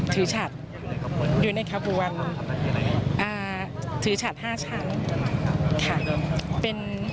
ถือฉัดอยู่ในขบวนถือฉัด๕ชั้น